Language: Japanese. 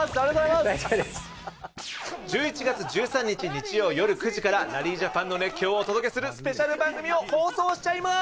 １１月１３日日曜よる９時からラリージャパンの熱狂をお届けするスペシャル番組を放送しちゃいます！